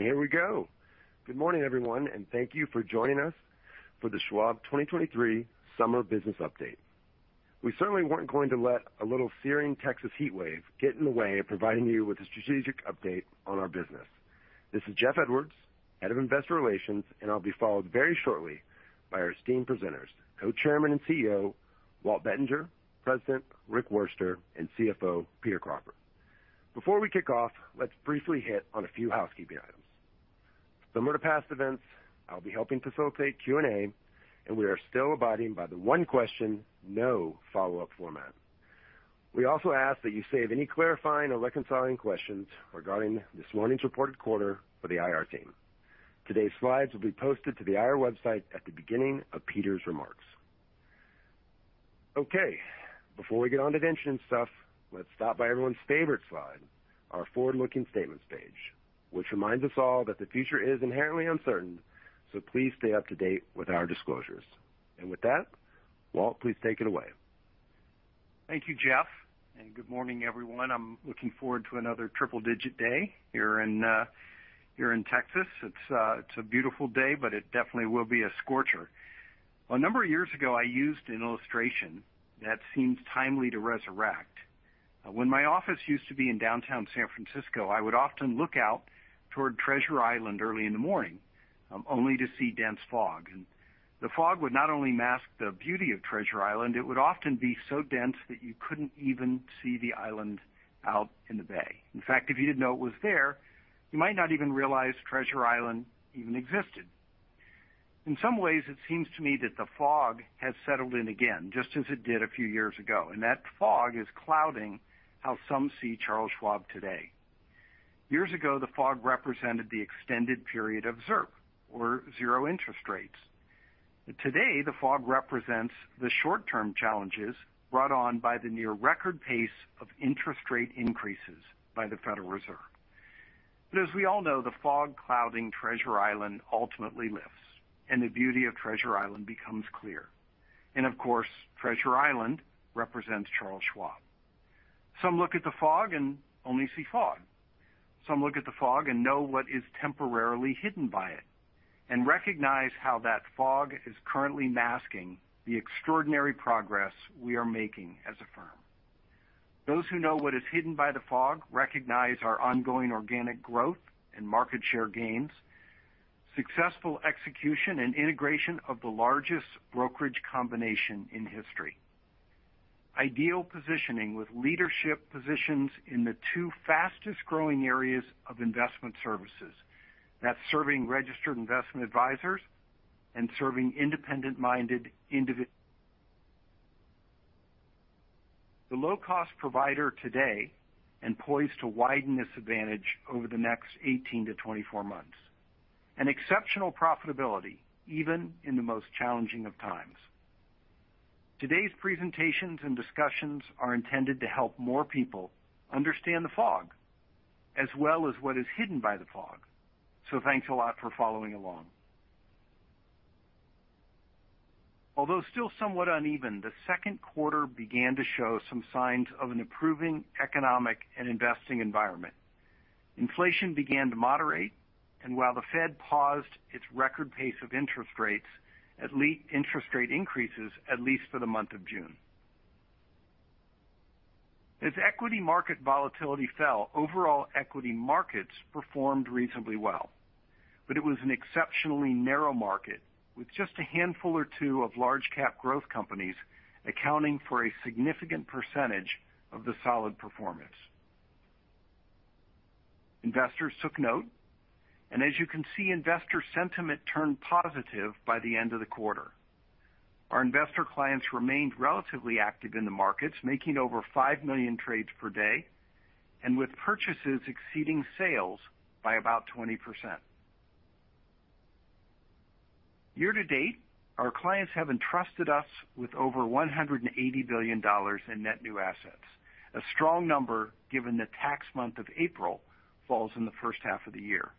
Here we go! Good morning, everyone, and thank you for joining us for the Schwab 2023 Summer Business Update. We certainly weren't going to let a little searing Texas heatwave get in the way of providing you with a strategic update on our business. This is Jeff Edwards, Head of Investor Relations, and I'll be followed very shortly by our esteemed presenters, Co-chairman and CEO, Walt Bettinger, President, Rick Wurster, and CFO, Peter Crawford. Before we kick off, let's briefly hit on a few housekeeping items. Similar to past events, I'll be helping facilitate Q&A, and we are still abiding by the 1 question, no follow-up format. We also ask that you save any clarifying or reconciling questions regarding this morning's reported quarter for the IR team. Today's slides will be posted to the IR website at the beginning of Peter's remarks. Okay, before we get on to the interesting stuff, let's stop by everyone's favorite slide, our forward-looking statement page, which reminds us all that the future is inherently uncertain. Please stay up-to-date with our disclosures. With that, Walt, please take it away. Thank you, Jeff, and good morning, everyone. I'm looking forward to another triple-digit day here in Texas. It's a beautiful day, but it definitely will be a scorcher. A number of years ago, I used an illustration that seems timely to resurrect. When my office used to be in downtown San Francisco, I would often look out toward Treasure Island early in the morning, only to see dense fog. The fog would not only mask the beauty of Treasure Island, it would often be so dense that you couldn't even see the island out in the bay. In fact, if you didn't know it was there, you might not even realize Treasure Island even existed. In some ways, it seems to me that the fog has settled in again, just as it did a few years ago, and that fog is clouding how some see Charles Schwab today. Years ago, the fog represented the extended period of ZIRP or zero interest rates. Today, the fog represents the short-term challenges brought on by the near record pace of interest rate increases by the Federal Reserve. As we all know, the fog clouding Treasure Island ultimately lifts, and the beauty of Treasure Island becomes clear. Of course, Treasure Island represents Charles Schwab. Some look at the fog and only see fog. Some look at the fog and know what is temporarily hidden by it and recognize how that fog is currently masking the extraordinary progress we are making as a firm. Those who know what is hidden by the fog recognize our ongoing organic growth and market share gains, successful execution and integration of the largest brokerage combination in history, ideal positioning with leadership positions in the two fastest-growing areas of investment services. That's serving registered investment advisors and serving independent-minded. The low-cost provider today and poised to widen this advantage over the next 18-24 months. An exceptional profitability, even in the most challenging of times. Today's presentations and discussions are intended to help more people understand the fog as well as what is hidden by the fog. Thanks a lot for following along. Although still somewhat uneven, the second quarter began to show some signs of an improving economic and investing environment. Inflation began to moderate, and while the Fed paused its record pace of interest rates, at least interest rate increases, at least for the month of June. As equity market volatility fell, overall equity markets performed reasonably well, but it was an exceptionally narrow market, with just a handful or two of large cap growth companies accounting for a significant percentage of the solid performance. Investors took note, and as you can see, investor sentiment turned positive by the end of the quarter. Our investor clients remained relatively active in the markets, making over 5 million trades per day and with purchases exceeding sales by about 20%. Year to date, our clients have entrusted us with over $180 billion in net new assets, a strong number, given the tax month of April falls in the first half of the year,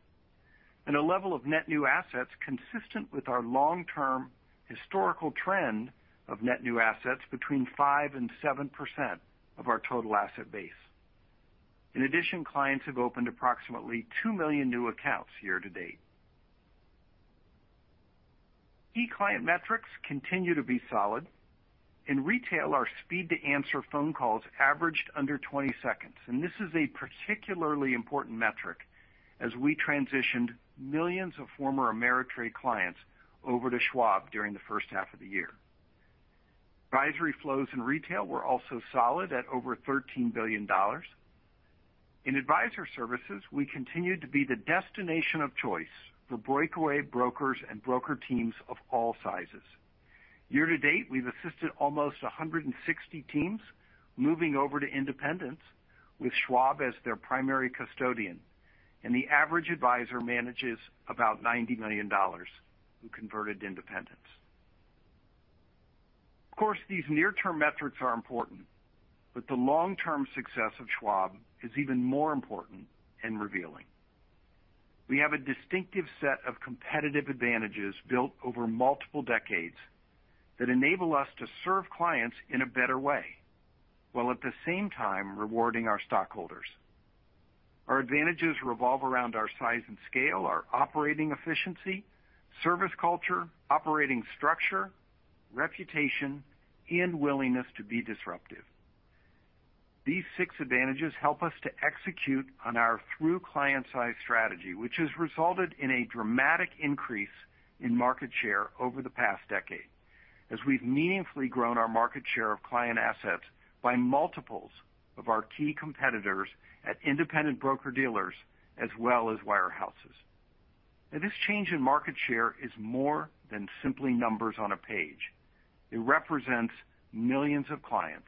and a level of net new assets consistent with our long-term historical trend of net new assets between 5% and 7% of our total asset base. In addition, clients have opened approximately 2 million new accounts year-to-date. Key client metrics continue to be solid. In retail, our speed to answer phone calls averaged under 20 seconds, and this is a particularly important metric as we transitioned millions of former Ameritrade clients over to Schwab during the first half of the year. Advisory flows in retail were also solid at over $13 billion. In advisor services, we continued to be the destination of choice for breakaway brokers and broker teams of all sizes. Year-to-date, we've assisted almost 160 teams moving over to independence, with Schwab as their primary custodian, and the average advisor manages about $90 million who converted to independence. Of course, these near-term metrics are important, but the long-term success of Schwab is even more important in revealing.... We have a distinctive set of competitive advantages built over multiple decades that enable us to serve clients in a better way, while at the same time rewarding our stockholders. Our advantages revolve around our size and scale, our operating efficiency, service culture, operating structure, reputation, and willingness to be disruptive. These six advantages help us to execute on our through client-size strategy, which has resulted in a dramatic increase in market share over the past decade, as we've meaningfully grown our market share of client assets by multiples of our key competitors at independent broker-dealers, as well as wirehouses. This change in market share is more than simply numbers on a page. It represents millions of clients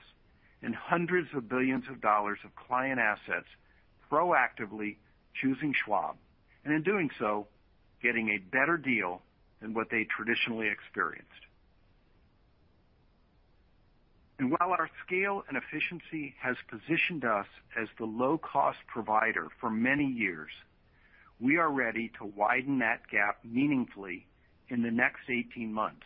and hundreds of billions of dollars of client assets proactively choosing Schwab, and in doing so, getting a better deal than what they traditionally experienced. While our scale and efficiency has positioned us as the low-cost provider for many years, we are ready to widen that gap meaningfully in the next 18 months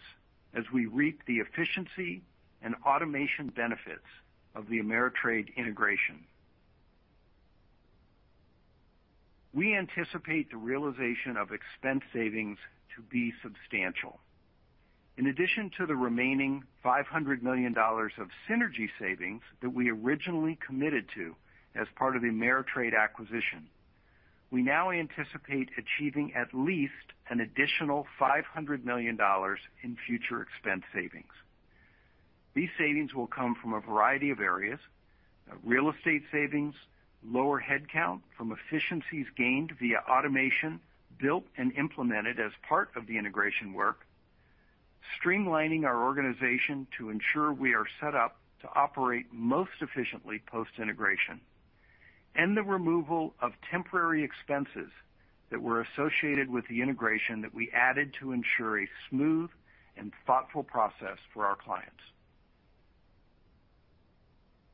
as we reap the efficiency and automation benefits of the Ameritrade integration. We anticipate the realization of expense savings to be substantial. In addition to the remaining $500 million of synergy savings that we originally committed to as part of the Ameritrade acquisition, we now anticipate achieving at least an additional $500 million in future expense savings. These savings will come from a variety of areas, real estate savings, lower headcount from efficiencies gained via automation, built and implemented as part of the integration work, streamlining our organization to ensure we are set up to operate most efficiently post-integration, and the removal of temporary expenses that were associated with the integration that we added to ensure a smooth and thoughtful process for our clients.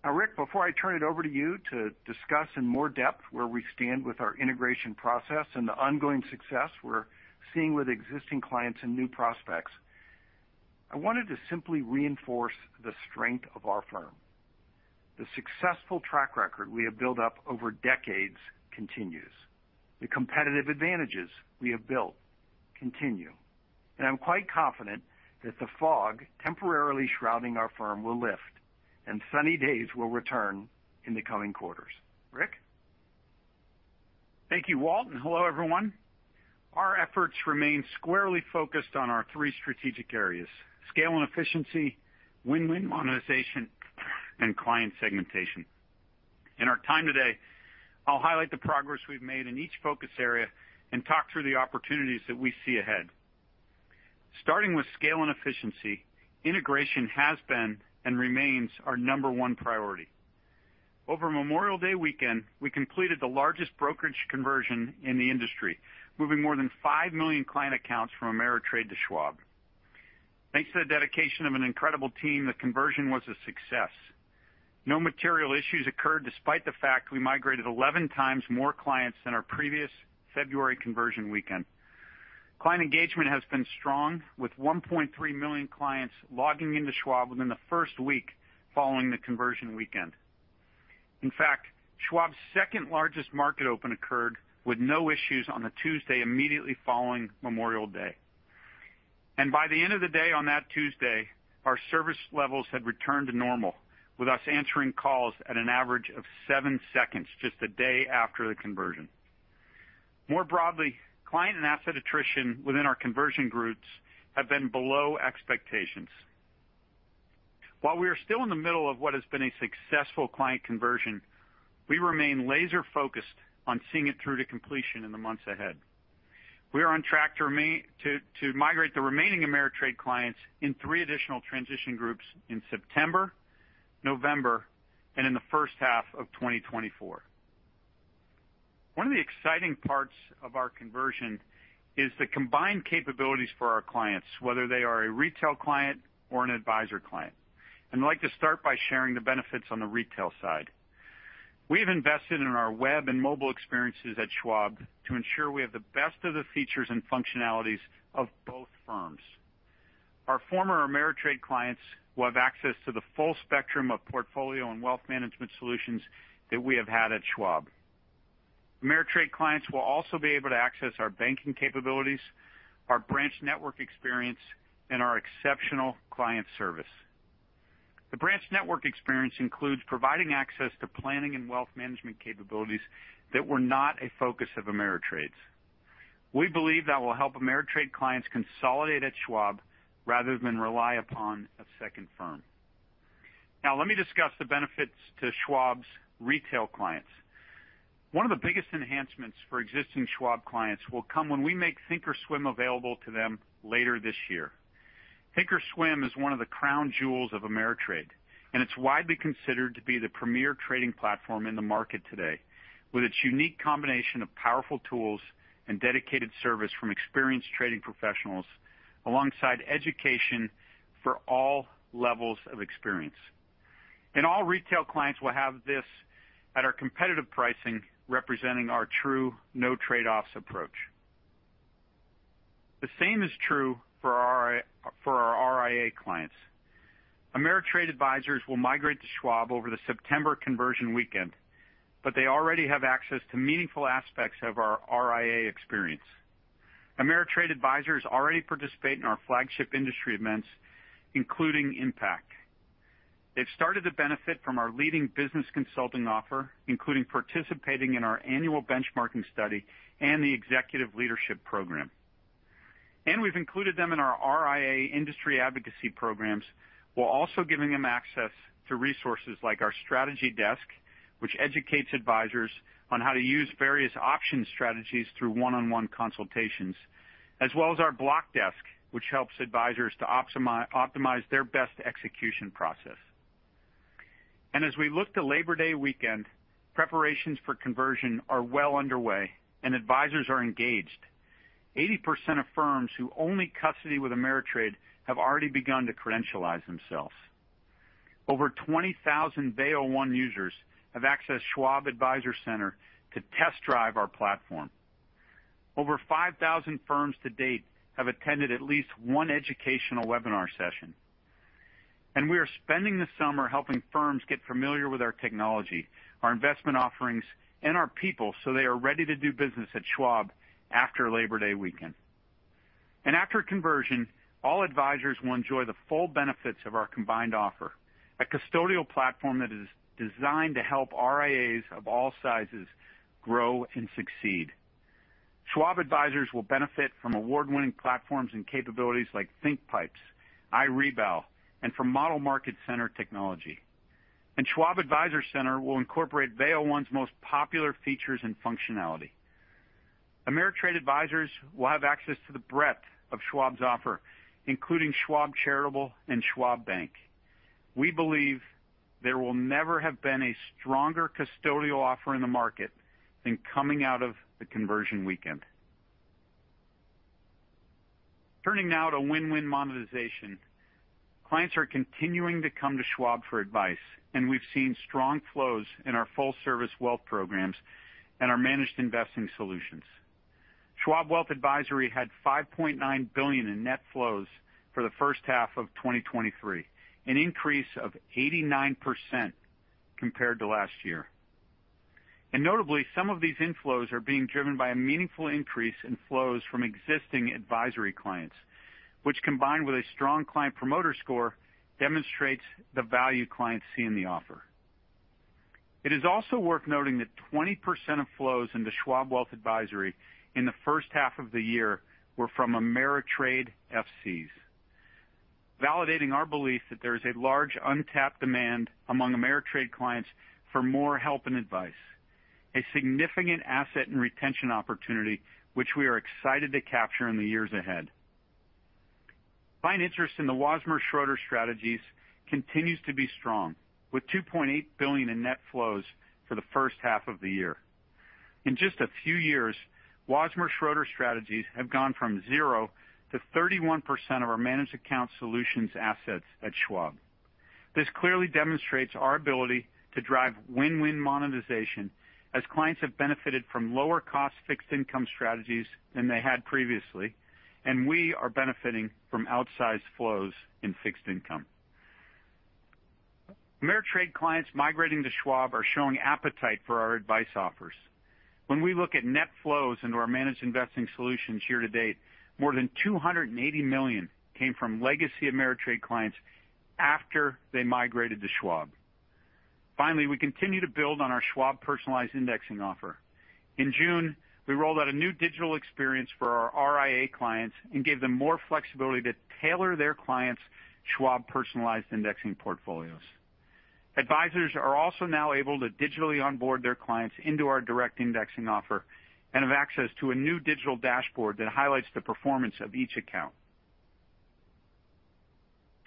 Rick, before I turn it over to you to discuss in more depth where we stand with our integration process and the ongoing success we're seeing with existing clients and new prospects, I wanted to simply reinforce the strength of our firm. The successful track record we have built up over decades continues. The competitive advantages we have built continue, and I'm quite confident that the fog temporarily shrouding our firm will lift, and sunny days will return in the coming quarters. Rick? Thank you, Walt, and hello, everyone. Our efforts remain squarely focused on our 3 strategic areas: scale and efficiency, win-win monetization, and client segmentation. In our time today, I'll highlight the progress we've made in each focus area and talk through the opportunities that we see ahead. Starting with scale and efficiency, integration has been and remains our number 1 priority. Over Memorial Day weekend, we completed the largest brokerage conversion in the industry, moving more than 5 million client accounts from Ameritrade to Schwab. Thanks to the dedication of an incredible team, the conversion was a success. No material issues occurred, despite the fact we migrated 11x more clients than our previous February conversion weekend. Client engagement has been strong, with 1.3 million clients logging into Schwab within the first week following the conversion weekend. In fact, Schwab's second-largest market open occurred with no issues on the Tuesday immediately following Memorial Day. By the end of the day on that Tuesday, our service levels had returned to normal, with us answering calls at an average of 7 seconds just a day after the conversion. More broadly, client and asset attrition within our conversion groups have been below expectations. While we are still in the middle of what has been a successful client conversion, we remain laser-focused on seeing it through to completion in the months ahead. We are on track to migrate the remaining Ameritrade clients in 3 additional transition groups in September, November, and in the H1 of 2024. One of the exciting parts of our conversion is the combined capabilities for our clients, whether they are a retail client or an advisor client. I'd like to start by sharing the benefits on the retail side. We've invested in our web and mobile experiences at Schwab to ensure we have the best of the features and functionalities of both firms. Our former Ameritrade clients will have access to the full spectrum of portfolio and wealth management solutions that we have had at Schwab. Ameritrade clients will also be able to access our banking capabilities, our branch network experience, and our exceptional client service. The branch network experience includes providing access to planning and wealth management capabilities that were not a focus of Ameritrade's. We believe that will help Ameritrade clients consolidate at Schwab rather than rely upon a second firm. Now, let me discuss the benefits to Schwab's retail clients. One of the biggest enhancements for existing Schwab clients will come when we make thinkorswim available to them later this year. thinkorswim is one of the crown jewels of Ameritrade, and it's widely considered to be the premier trading platform in the market today, with its unique combination of powerful tools and dedicated service from experienced trading professionals alongside education for all levels of experience. All retail clients will have this at our competitive pricing, representing our true no trade-offs approach. The same is true for our RIA clients. Ameritrade advisors will migrate to Schwab over the September conversion weekend, but they already have access to meaningful aspects of our RIA experience. Ameritrade advisors already participate in our flagship industry events, including IMPACT. They've started to benefit from our leading business consulting offer, including participating in our annual benchmarking study and the executive leadership program. We've included them in our RIA industry advocacy programs, while also giving them access to resources like our Strategy Desk, which educates advisors on how to use various option strategies through one-on-one consultations, as well as our Block Desk, which helps advisors to optimize their best execution process. As we look to Labor Day weekend, preparations for conversion are well underway and advisors are engaged. 80% of firms who only custody with Ameritrade have already begun to credentialize themselves. Over 20,000 Veo One users have accessed Schwab Advisor Center to test drive our platform. Over 5,000 firms to date have attended at least 1 educational webinar session, and we are spending the summer helping firms get familiar with our technology, our investment offerings, and our people, so they are ready to do business at Schwab after Labor Day weekend. After conversion, all advisors will enjoy the full benefits of our combined offer, a custodial platform that is designed to help RIAs of all sizes grow and succeed. Schwab advisors will benefit from award-winning platforms and capabilities like thinkpipes, iRebal, and from Model Market Center technology. Schwab Advisor Center will incorporate Veo One's most popular features and functionality. Ameritrade advisors will have access to the breadth of Schwab's offer, including Schwab Charitable and Schwab Bank. We believe there will never have been a stronger custodial offer in the market than coming out of the conversion weekend. Turning now to win-win monetization. Clients are continuing to come to Schwab for advice, and we've seen strong flows in our full service wealth programs and our managed investing solutions. Schwab Wealth Advisory had $5.9 billion in net flows for the H1 of 2023, an increase of 89% compared to last year. Notably, some of these inflows are being driven by a meaningful increase in flows from existing advisory clients, which, combined with a strong client promoter score, demonstrates the value clients see in the offer. It is also worth noting that 20% of flows into Schwab Wealth Advisory in the first half of the year were from Ameritrade FCs, validating our belief that there is a large untapped demand among Ameritrade clients for more help and advice, a significant asset and retention opportunity, which we are excited to capture in the years ahead. Client interest in the Wasmer Schroeder strategies continues to be strong, with $2.8 billion in net flows for the H1 of the year. In just a few years, Wasmer Schroeder strategies have gone from zero to 31% of our managed account solutions assets at Schwab. This clearly demonstrates our ability to drive win-win monetization, as clients have benefited from lower-cost fixed income strategies than they had previously, and we are benefiting from outsized flows in fixed income. Ameritrade clients migrating to Schwab are showing appetite for our advice offers. When we look at net flows into our managed investing solutions year to date, more than $280 million came from legacy Ameritrade clients after they migrated to Schwab. Finally, we continue to build on our Schwab Personalized Indexing offer. In June, we rolled out a new digital experience for our RIA clients and gave them more flexibility to tailor their clients' Schwab Personalized Indexing portfolios. Advisors are also now able to digitally onboard their clients into our direct indexing offer and have access to a new digital dashboard that highlights the performance of each account.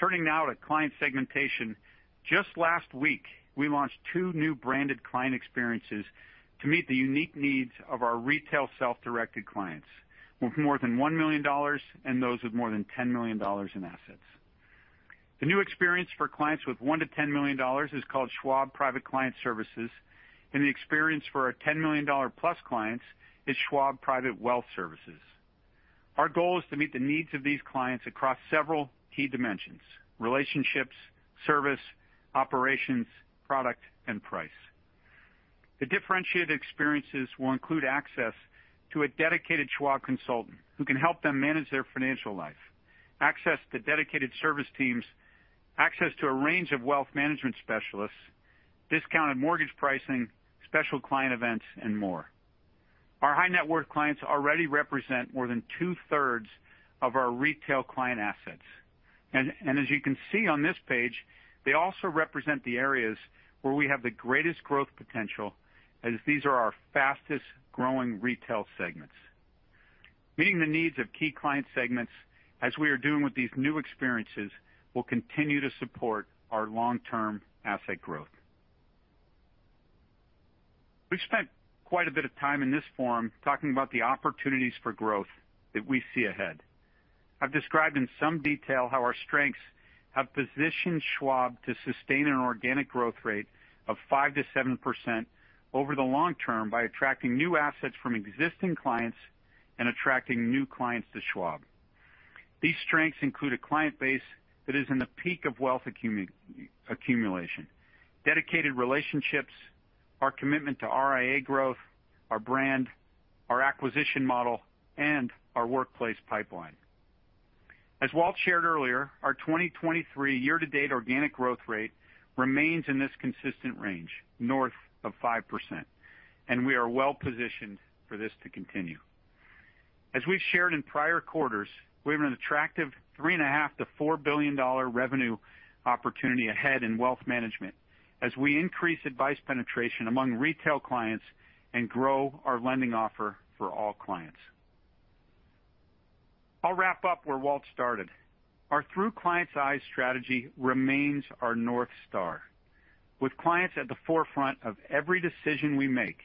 Turning now to client segmentation. Just last week, we launched two new branded client experiences to meet the unique needs of our retail self-directed clients with more than $1 million and those with more than $10 million in assets. The new experience for clients with $1 million-$10 million is called Schwab Private Client Services, and the experience for our $10 million-plus clients is Schwab Private Wealth Services. Our goal is to meet the needs of these clients across several key dimensions: relationships, service, operations, product and price. The differentiated experiences will include access to a dedicated Schwab consultant who can help them manage their financial life, access to dedicated service teams, access to a range of wealth management specialists, discounted mortgage pricing, special client events, and more. Our high net worth clients already represent more than 2/3 of our retail client assets. As you can see on this page, they also represent the areas where we have the greatest growth potential, as these are our fastest-growing retail segments. Meeting the needs of key client segments, as we are doing with these new experiences, will continue to support our long-term asset growth. We've spent quite a bit of time in this forum talking about the opportunities for growth that we see ahead. I've described in some detail how our strengths have positioned Schwab to sustain an organic growth rate of 5%-7% over the long term by attracting new assets from existing clients and attracting new clients to Schwab. These strengths include a client base that is in the peak of wealth accumulation, dedicated relationships, our commitment to RIA growth, our brand, our acquisition model, and our workplace pipeline. As Walt shared earlier, our 2023 year-to-date organic growth rate remains in this consistent range, north of 5%. We are well-positioned for this to continue. As we've shared in prior quarters, we have an attractive $3.5 billion-$4 billion revenue opportunity ahead in wealth management as we increase advice penetration among retail clients and grow our lending offer for all clients. I'll wrap up where Walt started. Our through client's eyes strategy remains our North Star. With clients at the forefront of every decision we make,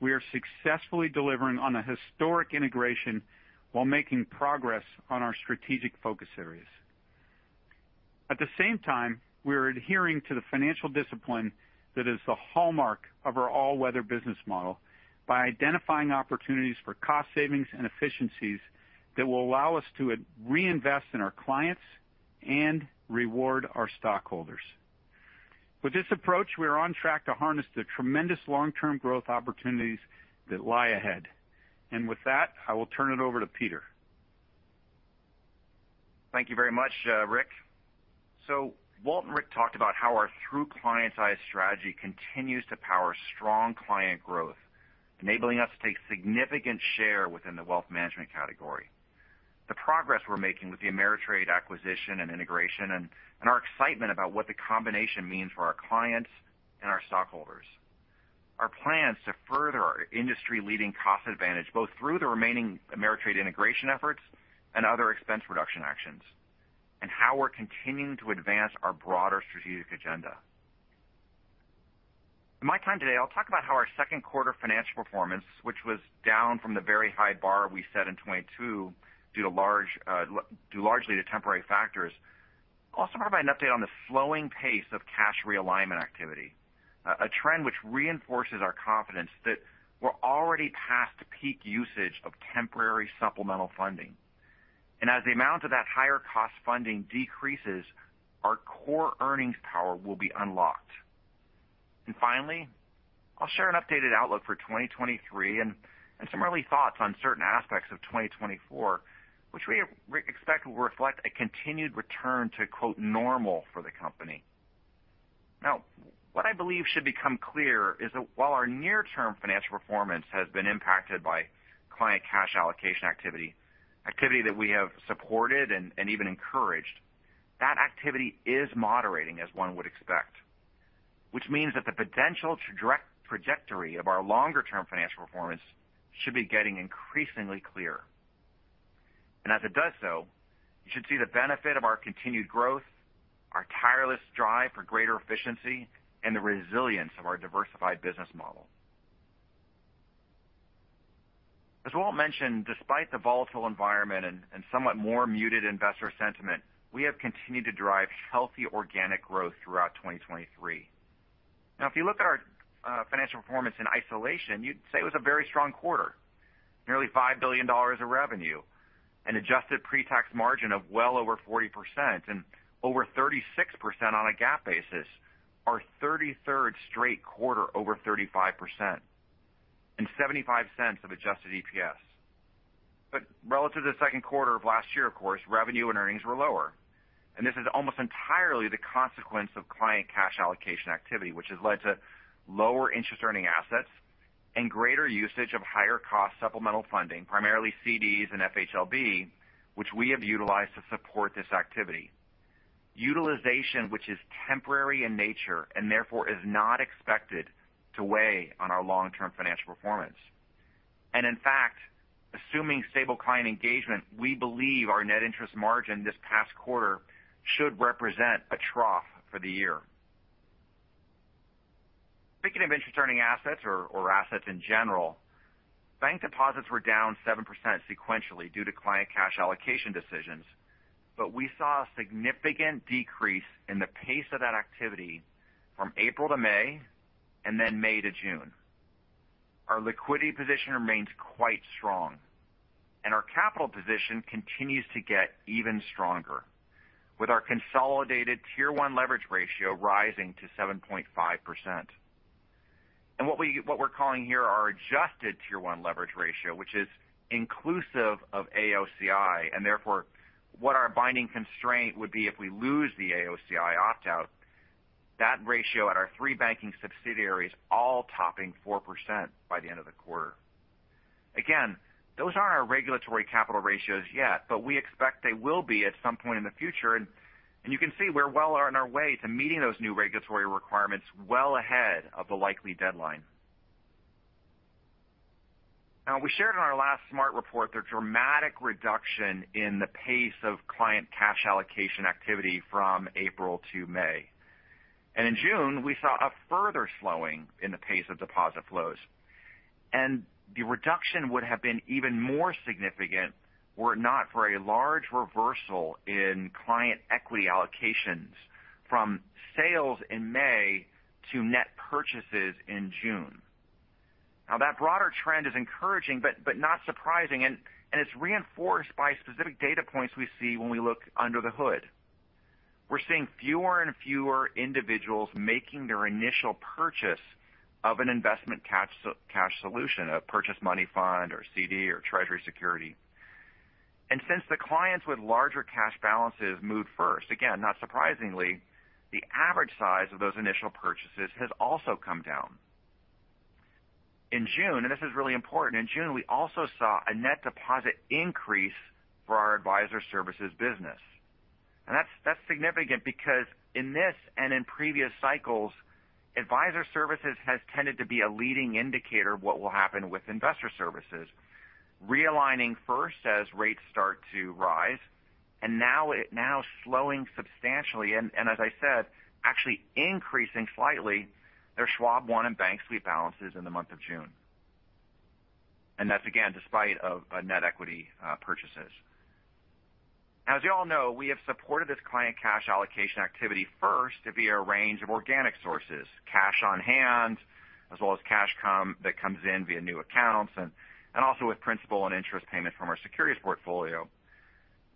we are successfully delivering on a historic integration while making progress on our strategic focus areas. At the same time, we are adhering to the financial discipline that is the hallmark of our all-weather business model by identifying opportunities for cost savings and efficiencies that will allow us to reinvest in our clients and reward our stockholders. With this approach, we are on track to harness the tremendous long-term growth opportunities that lie ahead. With that, I will turn it over to Peter. Thank you very much, Rick. Walt and Rick talked about how our through client's eyes strategy continues to power strong client growth, enabling us to take significant share within the wealth management category. The progress we're making with the Ameritrade acquisition and integration, and our excitement about what the combination means for our clients and our stockholders. Our plans to further our industry-leading cost advantage, both through the remaining Ameritrade integration efforts and other expense reduction actions, and how we're continuing to advance our broader strategic agenda. In my time today, I'll talk about how our Q2 financial performance, which was down from the very high bar we set in 2022, due largely to temporary factors. I'll also provide an update on the slowing pace of cash realignment activity, a trend which reinforces our confidence that we're already past the peak usage of temporary supplemental funding. As the amount of that higher-cost funding decreases, our core earnings power will be unlocked. Finally, I'll share an updated outlook for 2023 and some early thoughts on certain aspects of 2024, which we expect will reflect a continued return to, quote, normal for the company. What I believe should become clear is that while our near-term financial performance has been impacted by client cash allocation activity that we have supported and even encouraged, that activity is moderating, as one would expect, which means that the potential trajectory of our longer-term financial performance should be getting increasingly clear. As it does so, you should see the benefit of our continued growth, our tireless drive for greater efficiency, and the resilience of our diversified business model. As Walt mentioned, despite the volatile environment and somewhat more muted investor sentiment, we have continued to drive healthy organic growth throughout 2023. If you look at our financial performance in isolation, you'd say it was a very strong quarter. Nearly $5 billion of revenue, an adjusted pretax margin of well over 40%, and over 36% on a GAAP basis, our 33rd straight quarter over 35%, and $0.75 of adjusted EPS. Relative to the second quarter of last year, of course, revenue and earnings were lower, and this is almost entirely the consequence of client cash allocation activity, which has led to lower interest-earning assets and greater usage of higher-cost supplemental funding, primarily CDs and FHLB, which we have utilized to support this activity. Utilization, which is temporary in nature, and therefore is not expected to weigh on our long-term financial performance. In fact, assuming stable client engagement, we believe our net interest margin this past quarter should represent a trough for the year. Speaking of interest-earning assets or assets in general, bank deposits were down 7% sequentially due to client cash allocation decisions, but we saw a significant decrease in the pace of that activity from April to May and then May to June. Our liquidity position remains quite strong, and our capital position continues to get even stronger, with our consolidated Tier 1 leverage ratio rising to 7.5%. what we're calling here our adjusted Tier 1 leverage ratio, which is inclusive of AOCI, and therefore, what our binding constraint would be if we lose the AOCI opt-out, that ratio at our 3 banking subsidiaries all topping 4% by the end of the quarter. Those aren't our regulatory capital ratios yet, but we expect they will be at some point in the future, and you can see we're well on our way to meeting those new regulatory requirements well ahead of the likely deadline. We shared in our last smart report the dramatic reduction in the pace of client cash allocation activity from April to May. In June, we saw a further slowing in the pace of deposit flows. The reduction would have been even more significant were it not for a large reversal in client equity allocations from sales in May to net purchases in June. That broader trend is encouraging, but not surprising, and it's reinforced by specific data points we see when we look under the hood. We're seeing fewer and fewer individuals making their initial purchase of an investment cash solution, a purchase money fund or CD or treasury security. Since the clients with larger cash balances moved first, again, not surprisingly, the average size of those initial purchases has also come down. In June, and this is really important, in June, we also saw a net deposit increase for our advisor services business. That's significant because in this and in previous cycles, advisor services has tended to be a leading indicator of what will happen with investor services, realigning first as rates start to rise, now slowing substantially, and as I said, actually increasing slightly their Schwab One and bank suite balances in the month of June. That's, again, despite of net equity purchases. As you all know, we have supported this client cash allocation activity first via a range of organic sources, cash on hand, as well as cash that comes in via new accounts and also with principal and interest payments from our securities portfolio.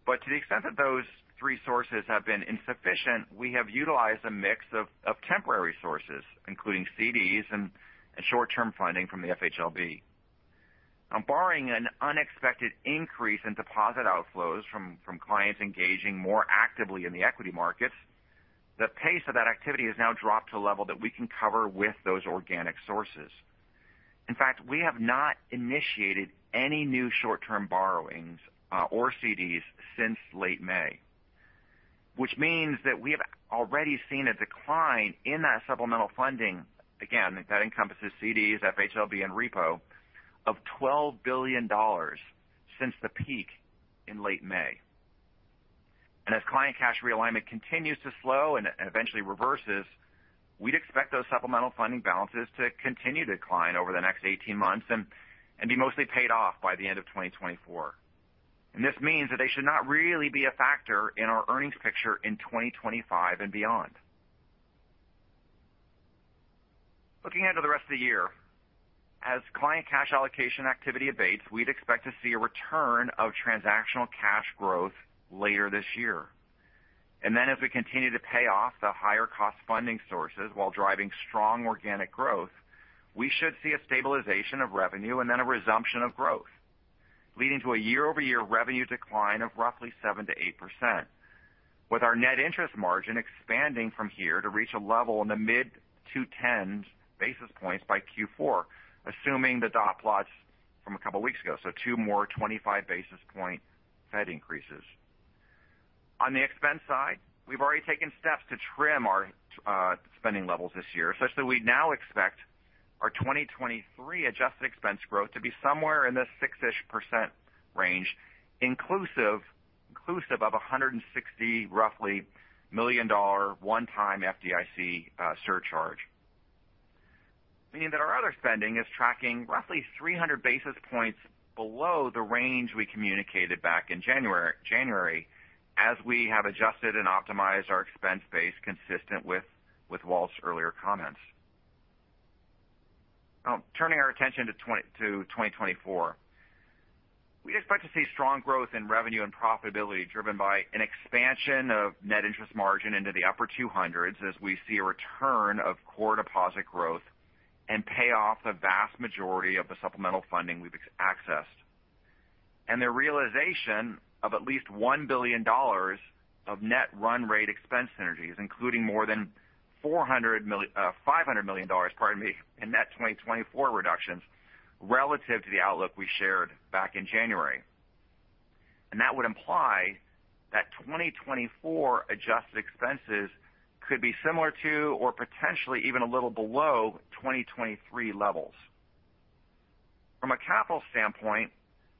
To the extent that those three sources have been insufficient, we have utilized a mix of temporary sources, including CDs and short-term funding from the FHLB. On borrowing an unexpected increase in deposit outflows from clients engaging more actively in the equity markets, the pace of that activity has now dropped to a level that we can cover with those organic sources. In fact, we have not initiated any new short-term borrowings or CDs since late May, which means that we have already seen a decline in that supplemental funding, again, that encompasses CDs, FHLB, and repo, of $12 billion since the peak in late May. As client cash realignment continues to slow and eventually reverses, we'd expect those supplemental funding balances to continue to decline over the next 18 months and be mostly paid off by the end of 2024. This means that they should not really be a factor in our earnings picture in 2025 and beyond. Looking ahead to the rest of the year, as client cash allocation activity abates, we'd expect to see a return of transactional cash growth later this year. As we continue to pay off the higher cost funding sources while driving strong organic growth, we should see a stabilization of revenue and then a resumption of growth, leading to a year-over-year revenue decline of roughly 7%-8%, with our net interest margin expanding from here to reach a level in the mid two tens basis points by Q4, assuming the dot plots from a couple of weeks ago, so 2 more 25 basis point Fed increases. On the expense side, we've already taken steps to trim our spending levels this year, such that we now expect our 2023 adjusted expense growth to be somewhere in the 6%-ish range, inclusive of roughly $160 million one-time FDIC surcharge. Meaning that our other spending is tracking roughly 300 basis points below the range we communicated back in January, as we have adjusted and optimized our expense base consistent with Walt's earlier comments. Turning our attention to 2024. We expect to see strong growth in revenue and profitability, driven by an expansion of net interest margin into the upper 200s as we see a return of core deposit growth and pay off the vast majority of the supplemental funding we've accessed. The realization of at least $1 billion of net run rate expense synergies, including more than $400 million, $500 million, pardon me, in net 2024 reductions relative to the outlook we shared back in January. That would imply that 2024 adjusted expenses could be similar to or potentially even a little below 2023 levels. From a capital standpoint,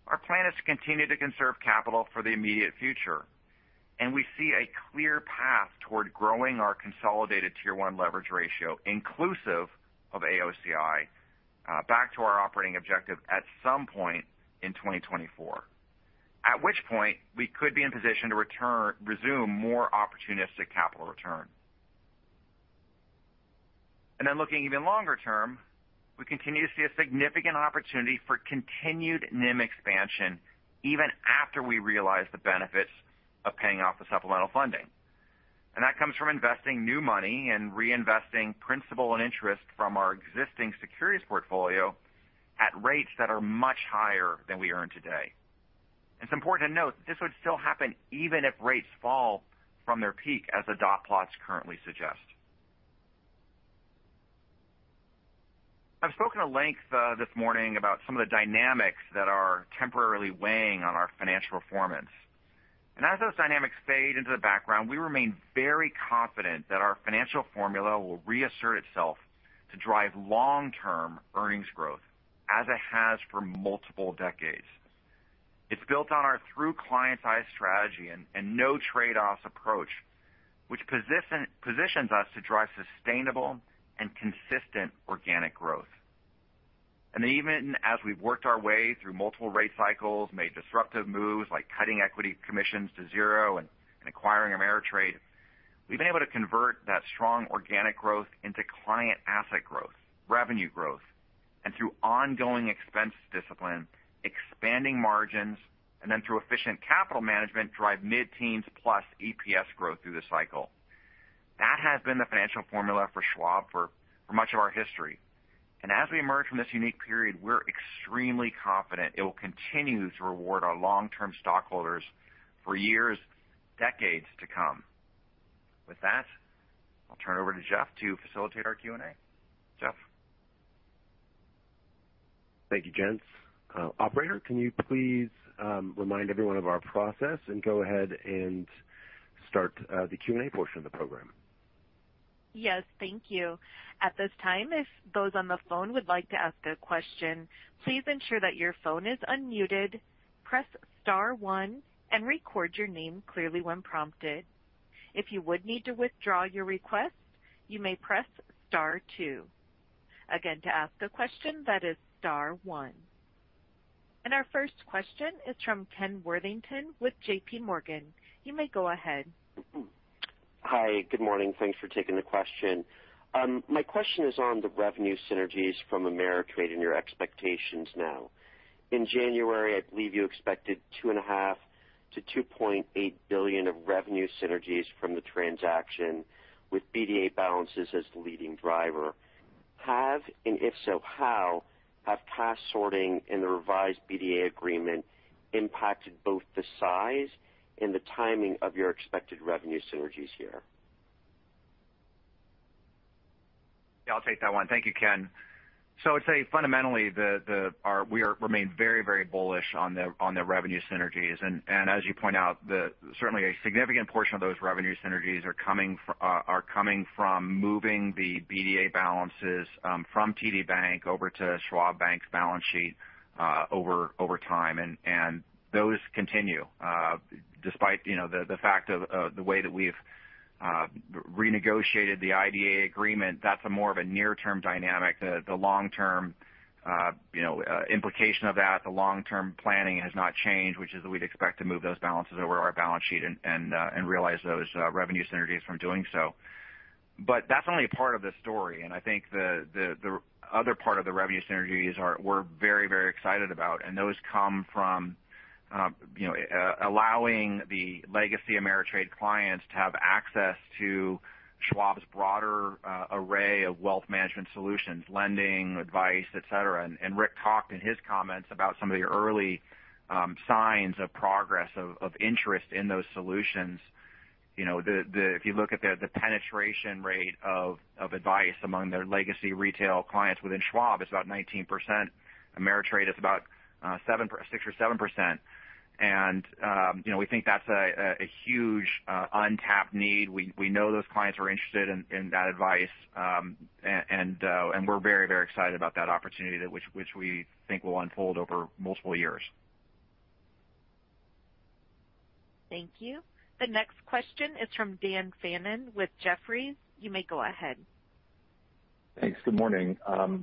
our plan is to continue to conserve capital for the immediate future, and we see a clear path toward growing our consolidated Tier 1 leverage ratio, inclusive of AOCI, back to our operating objective at some point in 2024, at which point we could be in position to resume more opportunistic capital return. Looking even longer term, we continue to see a significant opportunity for continued NIM expansion even after we realize the benefits of paying off the supplemental funding. That comes from investing new money and reinvesting principal and interest from our existing securities portfolio at rates that are much higher than we earn today. It's important to note this would still happen even if rates fall from their peak, as the dot plots currently suggest. I've spoken at length this morning about some of the dynamics that are temporarily weighing on our financial performance. As those dynamics fade into the background, we remain very confident that our financial formula will reassert itself to drive long-term earnings growth, as it has for multiple decades. It's built on our through client size strategy and no trade-offs approach, which positions us to drive sustainable and consistent organic growth. Even as we've worked our way through multiple rate cycles, made disruptive moves like cutting equity commissions to zero and acquiring Ameritrade, we've been able to convert that strong organic growth into client asset growth, revenue growth, and through ongoing expense discipline, expanding margins, and then through efficient capital management, drive mid-teens+ EPS growth through the cycle. That has been the financial formula for Schwab for much of our history. As we emerge from this unique period, we're extremely confident it will continue to reward our long-term stockholders for years, decades to come. With that, I'll turn it over to Jeff to facilitate our Q&A. Jeff? Thank you, gents. Operator, can you please remind everyone of our process and go ahead and start the Q&A portion of the program? Yes. Thank you. At this time, if those on the phone would like to ask a question, please ensure that your phone is unmuted, press star one and record your name clearly when prompted. If you would need to withdraw your request, you may press star two. Again, to ask a question, that is star one. Our first question is from Ken Worthington with JPMorgan. You may go ahead. Hi, good morning. Thanks for taking the question. My question is on the revenue synergies from Ameritrade and your expectations now. In January, I believe you expected $2.5 billion-$2.8 billion of revenue synergies from the transaction, with BDA balances as the leading driver. Have, and if so, how, have past sorting and the revised BDA agreement impacted both the size and the timing of your expected revenue synergies here? Yeah, I'll take that one. Thank you, Ken. I'd say fundamentally, we are, remain very, very bullish on the revenue synergies. As you point out. Certainly a significant portion of those revenue synergies are coming from moving the BDA balances from TD Bank over to Schwab Bank's balance sheet over time. Those continue despite, you know, the fact of the way that we've renegotiated the IDA agreement. That's a more of a near-term dynamic. The long-term, you know, implication of that, the long-term planning has not changed, which is that we'd expect to move those balances over our balance sheet and realize those revenue synergies from doing so. That's only a part of the story, and I think the other part of the revenue synergies we're very, very excited about, and those come from, you know, allowing the legacy Ameritrade clients to have access to Schwab's broader array of wealth management solutions, lending, advice, et cetera. Rick talked in his comments about some of the early signs of progress of interest in those solutions. You know, if you look at the penetration rate of advice among their legacy retail clients within Schwab, it's about 19%. Ameritrade, it's about 6% or 7%. You know, we think that's a huge untapped need. We know those clients are interested in that advice, and we're very, very excited about that opportunity, that which we think will unfold over multiple years. Thank you. The next question is from Dan Fannon with Jefferies. You may go ahead. Thanks. Good morning.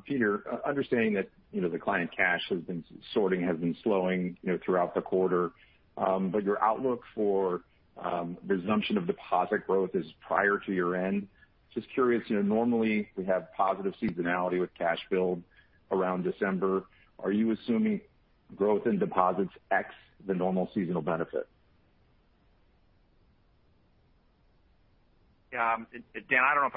Peter, understanding that, you know, the client cash has been, sorting has been slowing, you know, throughout the quarter, but your outlook for the resumption of deposit growth is prior to year-end. Just curious, you know, normally we have positive seasonality with cash build around December. Are you assuming growth in deposits X, the normal seasonal benefit? Dan, I don't know if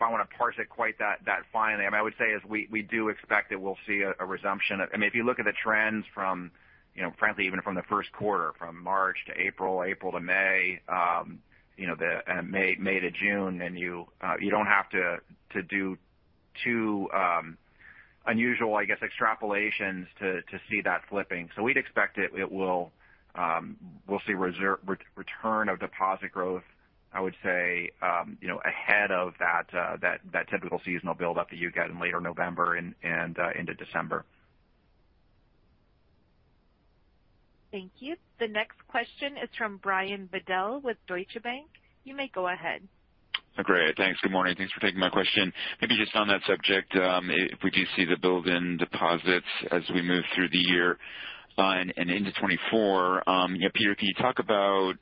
I want to parse it quite that fine. I mean, I would say is we do expect that we'll see a resumption. I mean, if you look at the trends from, you know, frankly, even from the first quarter, from March to April to May, you know, and May to June, then you don't have to do too unusual, I guess, extrapolations to see that flipping. We'd expect it will. We'll see return of deposit growth, I would say, you know, ahead of that typical seasonal build up that you get in later November and into December. Thank you. The next question is from Brian Bedell with Deutsche Bank. You may go ahead. Great. Thanks. Good morning. Thanks for taking my question. Maybe just on that subject, if we do see the build in deposits as we move through the year, and into 2024, yeah, Peter Crawford, can you talk about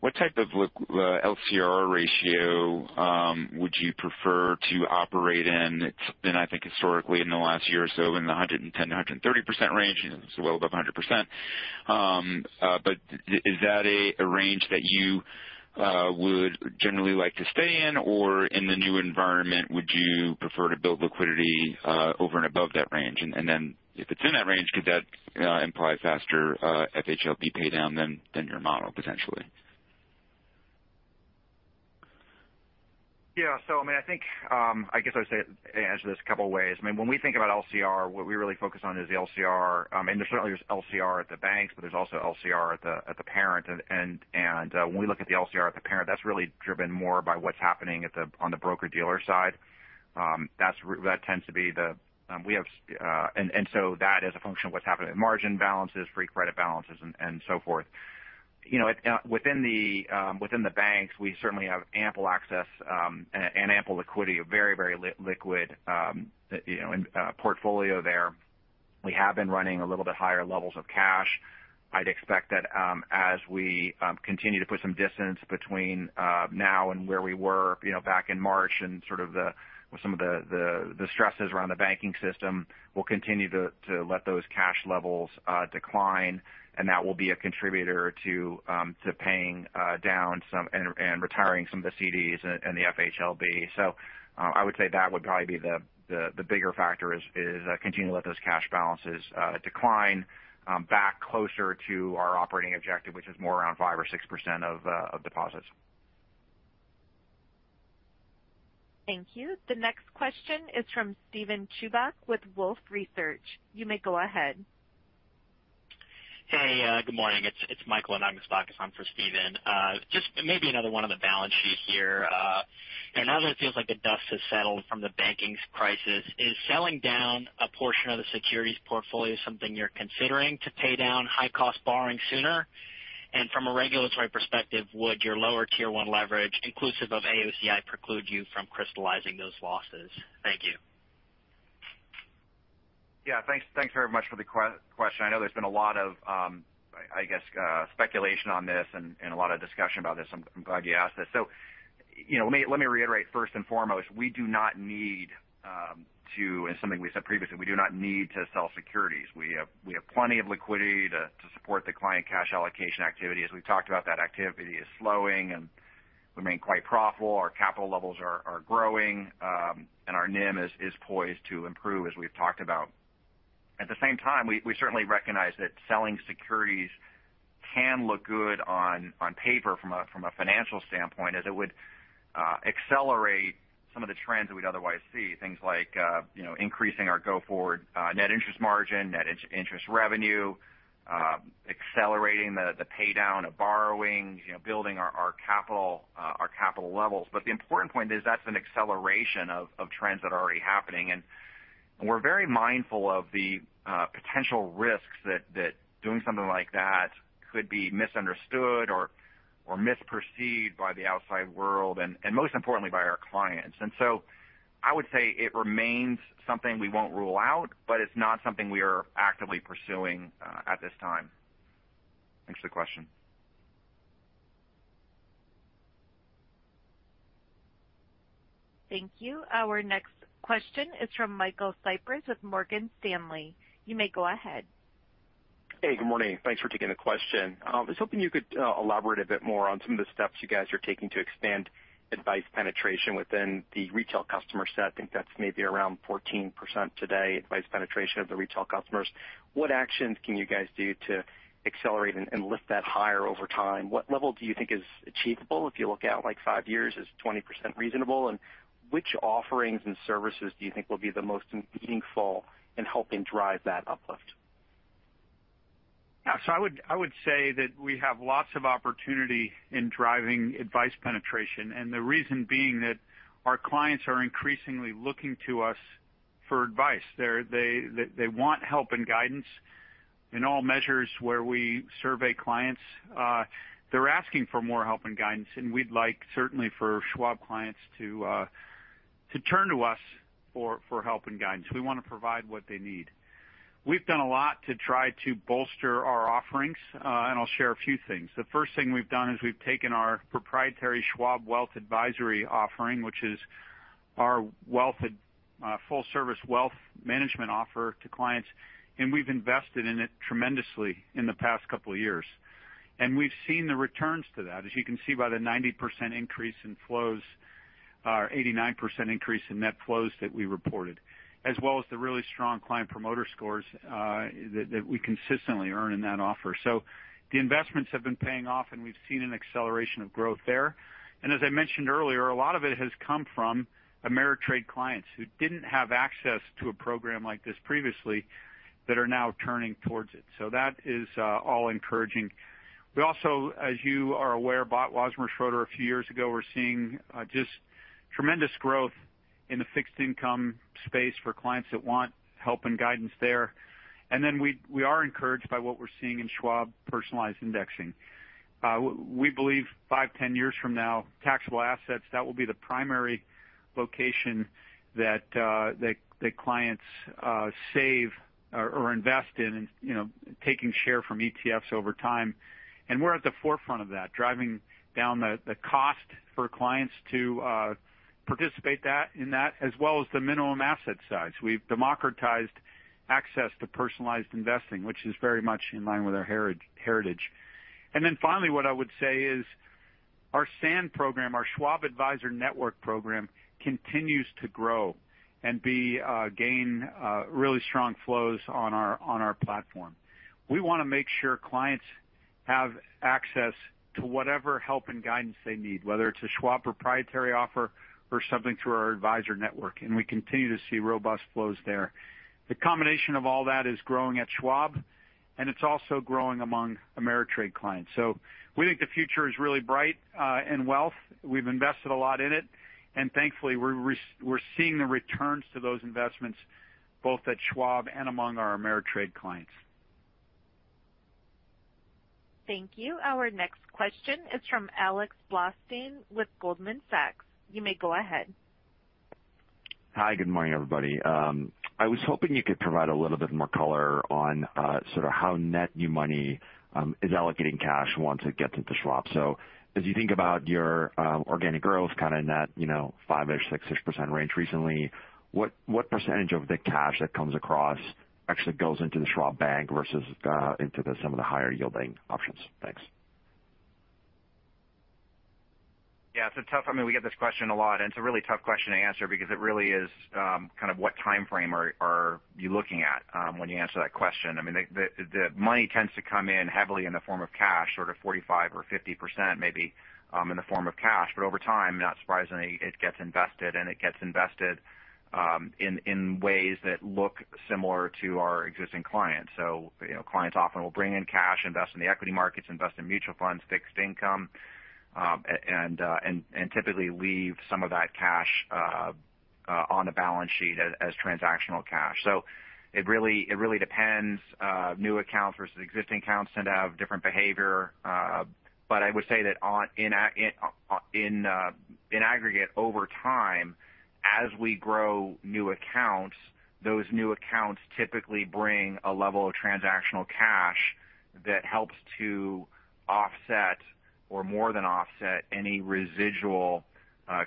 what type of LCR ratio would you prefer to operate in? It's been, I think, historically in the last year or so in the 110%-130% range. It's well above 100%. But is that a range that you would generally like to stay in? Or in the new environment, would you prefer to build liquidity over and above that range? If it's in that range, could that imply faster FHLB paydown than your model presents? Yeah. I mean, I think, I guess I would say, answer this a couple ways. I mean, when we think about LCR, what we really focus on is the LCR, and there certainly is LCR at the banks, but there's also LCR at the parent. When we look at the LCR at the parent, that's really driven more by what's happening on the broker-dealer side. That tends to be the. We have, and so that is a function of what's happening in margin balances, free credit balances, and so forth. You know, within the banks, we certainly have ample access, and ample liquidity, a very liquid, you know, portfolio there. We have been running a little bit higher levels of cash. I'd expect that, as we continue to put some distance between now and where we were, you know, back in March and sort of the stresses around the banking system, we'll continue to let those cash levels decline, and that will be a contributor to paying down some and retiring some of the CDs and the FHLB. I would say that would probably be the bigger factor is continue to let those cash balances decline back closer to our operating objective, which is more around 5% or 6% of deposits. Thank you. The next question is from Steven Chubak with Wolfe Research. You may go ahead. Hey, good morning. It's Michael on August Stock, if I'm for Steven. Just maybe another one on the balance sheet here. You know, now that it feels like the dust has settled from the banking crisis, is selling down a portion of the securities portfolio something you're considering to pay down high-cost borrowing sooner? From a regulatory perspective, would your lower Tier 1 leverage, inclusive of AOCI, preclude you from crystallizing those losses? Thank you. Yeah, thanks. Thanks very much for the question. I know there's been a lot of, I guess, speculation on this and a lot of discussion about this. I'm glad you asked this. you know, let me reiterate, first and foremost, we do not need something we said previously, we do not need to sell securities. We have plenty of liquidity to support the client cash allocation activity. As we've talked about, that activity is slowing, and we remain quite profitable. Our capital levels are growing, and our NIM is poised to improve, as we've talked about. At the same time, we certainly recognize that selling securities can look good on paper from a financial standpoint, as it would accelerate some of the trends that we'd otherwise see. Things like, you know, increasing our go-forward net interest margin, net interest revenue, accelerating the paydown of borrowing, you know, building our capital levels. The important point is that's an acceleration of trends that are already happening. We're very mindful of the potential risks that doing something like that could be misunderstood or misperceived by the outside world and most importantly, by our clients. I would say it remains something we won't rule out, but it's not something we are actively pursuing at this time. Thanks for the question. Thank you. Our next question is from Michael Cyprys with Morgan Stanley. You may go ahead. Hey, good morning. Thanks for taking the question. I was hoping you could elaborate a bit more on some of the steps you guys are taking to expand advice penetration within the retail customer set. I think that's maybe around 14% today, advice penetration of the retail customers. What actions can you guys do to accelerate and lift that higher over time? What level do you think is achievable if you look out, like, five years? Is 20% reasonable? Which offerings and services do you think will be the most meaningful in helping drive that uplift? I would say that we have lots of opportunity in driving advice penetration. The reason being that our clients are increasingly looking to us for advice. They want help and guidance. In all measures where we survey clients, they're asking for more help and guidance. We'd like, certainly, for Schwab clients to turn to us for help and guidance. We want to provide what they need. We've done a lot to try to bolster our offerings. I'll share a few things. The first thing we've done is we've taken our proprietary Schwab Wealth Advisory offering, which is our full-service wealth management offer to clients. We've invested in it tremendously in the past couple of years. We've seen the returns to that, as you can see by the 90% increase in flows, or 89% increase in net flows that we reported, as well as the really strong client promoter scores, that we consistently earn in that offer. The investments have been paying off, and we've seen an acceleration of growth there. As I mentioned earlier, a lot of it has come from TD Ameritrade clients who didn't have access to a program like this previously that are now turning towards it. That is all encouraging. We also, as you are aware, bought Wasmer Schroeder a few years ago. We're seeing just tremendous growth in the fixed income space for clients that want help and guidance there. We are encouraged by what we're seeing in Schwab Personalized Indexing. We believe 5, 10 years from now, taxable assets, that will be the primary location that clients save or invest in and, you know, taking share from ETFs over time. We're at the forefront of that, driving down the cost for clients to participate in that, as well as the minimum asset size. We've democratized access to personalized investing, which is very much in line with our heritage. Finally, what I would say is our SAN program, our Schwab Advisor Network program, continues to grow and be gain really strong flows on our platform. We want to make sure clients.... have access to whatever help and guidance they need, whether it's a Schwab proprietary offer or something through our advisor network. We continue to see robust flows there. The combination of all that is growing at Schwab, and it's also growing among Ameritrade clients. We think the future is really bright in wealth. We've invested a lot in it, and thankfully, we're seeing the returns to those investments, both at Schwab and among our Ameritrade clients. Thank you. Our next question is from Alex Blostein with Goldman Sachs. You may go ahead. Hi, good morning, everybody. I was hoping you could provide a little bit more color on sort of how net new money is allocating cash once it gets into Schwab. As you think about your organic growth, kind of in that, you know, five-ish, six-ish % range recently, what percentage of the cash that comes across actually goes into the Schwab Bank versus some of the higher-yielding options? Thanks. Yeah, it's a tough. I mean, we get this question a lot, and it's a really tough question to answer because it really is kind of what time frame are you looking at when you answer that question? I mean, the money tends to come in heavily in the form of cash, sort of 45% or 50% maybe, in the form of cash. Over time, not surprisingly, it gets invested, and it gets invested in ways that look similar to our existing clients. You know, clients often will bring in cash, invest in the equity markets, invest in mutual funds, fixed income, and typically leave some of that cash on the balance sheet as transactional cash. It really, it really depends. New accounts versus existing accounts tend to have different behavior. I would say that in aggregate, over time, as we grow new accounts, those new accounts typically bring a level of transactional cash that helps to offset or more than offset any residual